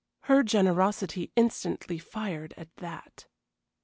Her generosity instantly fired at that.